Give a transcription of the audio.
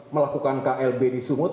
melakukan klb di sumut